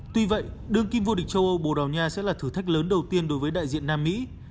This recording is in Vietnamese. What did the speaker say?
tuy vậy đương kim vô địch châu âu bồ đào nha sẽ là thử thách lớn đầu tiên đối với đại diện nam mỹ